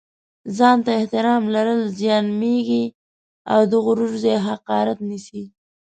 ځان ته احترام لرل زیانمېږي او د غرور ځای حقارت نیسي.